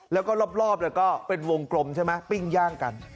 แล้วก็รอบก็เป็นวงกลมใช่ไหมปิ้งย่างกัน